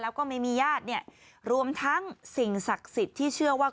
แล้วก็ไม่มีญาติเนี่ยรวมทั้งสิ่งศักดิ์สิทธิ์ที่เชื่อว่า